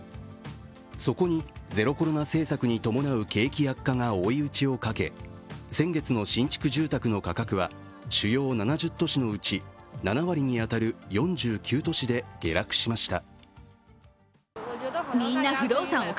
そこにゼロコロナ政策に伴う景気悪化が追い打ちをかけ先月の新築住宅の価格は主要７０都市のうち７割に当たる４９都市で下落しました。